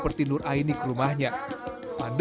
perhubungan industri lalu menyatakan